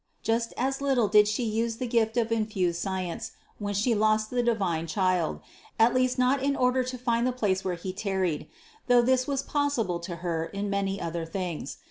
Just as little did She use the gift of infused science, when She lost the divine Child, at least not in order to find the place where He tarried, though this was possible to Her in many other things.